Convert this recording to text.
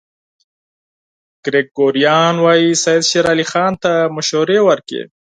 ګریګوریان وايي سید شېر علي خان ته مشورې ورکړې.